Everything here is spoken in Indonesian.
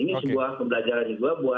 ini sebuah pembelajaran juga buat lembaga